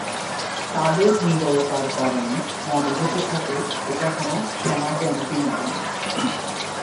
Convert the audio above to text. তাদের নীরবতার কারণে মনে হতে থাকে এটা কোন সেনাক্যাম্পই নয়।